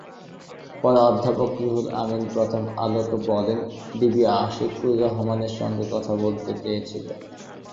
পরে অধ্যাপক রুহুল আমিন প্রথম আলোকে বলেন, ‘ডিবি আশিকুর রহমানের সঙ্গে কথা বলতে চেয়েছিল।